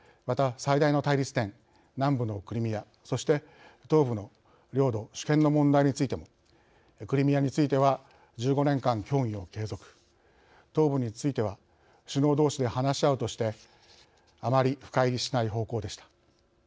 また、最大の対立点南部のクリミアそして東部の領土・主権の問題についてもクリミアについては１５年間協議を継続東部については首脳どうしで話し合うとしてあまり深入りしない方向でした。